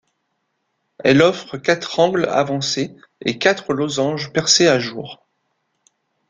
Elle offre quatre angles avancés et quatre losanges percés à jour.